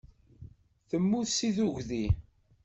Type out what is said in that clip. Temmut seg tuggdi.